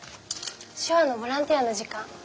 手話のボランティアの時間。